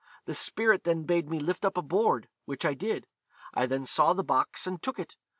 The spirit then bade me lift up a board, which I did. I then saw the box, and took it.